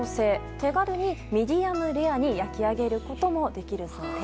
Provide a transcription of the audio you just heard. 手軽にミディアムレアに焼き上げることもできます。